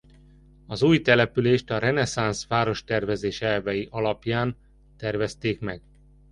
Az új települést a reneszánsz várostervezés elvei alapján tervezték meg.